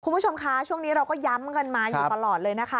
คุณผู้ชมคะช่วงนี้เราก็ย้ำกันมาอยู่ตลอดเลยนะคะ